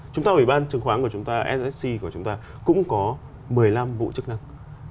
chúng ta ủy ban chứng khoán của chúng ta ssc của chúng ta cũng có một mươi năm vụ chức năng